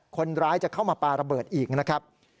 คนร้ายจะเข้ามาปลาระเบิดอีกนะครับ